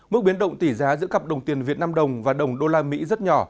mức biến động tỷ giá giữa cặp đồng tiền việt nam đồng và đồng đô la mỹ rất nhỏ